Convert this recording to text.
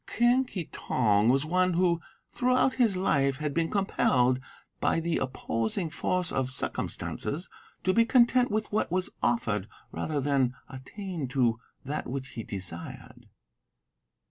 "Quen Ki Tong was one who throughout his life had been compelled by the opposing force of circumstances to be content with what was offered rather than attain to that which he desired.